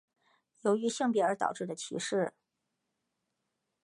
由于性别而导致的歧视。